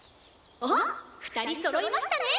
おっ二人そろいましたね！